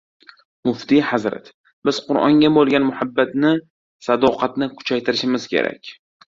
Muftiy hazrat: "Biz Qur’onga bo‘lgan muhabbatni, sadoqatni kuchaytirishimiz kerak..."